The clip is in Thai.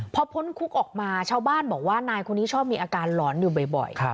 พอพ้นคุกออกมาชาวบ้านบอกว่านายคนนี้ชอบมีอาการหลอนอยู่บ่อย